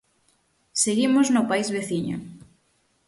Seguimos no país veciño.